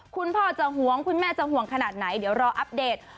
คุณพ่อจะห่วงคุณแม่จะห่วงขนาดไหนเดี๋ยวรออัปเดต